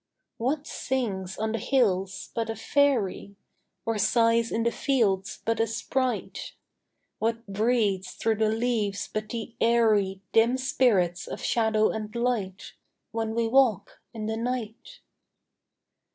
What sings on the hills but a fairy? Or sighs in the fields but a sprite? What breathes through the leaves but the airy Dim spirits of shadow and light, When we walk in the night?